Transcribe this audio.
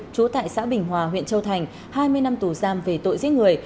trú tại xã bình hòa huyện châu thành hai mươi năm tù giam về tội giết người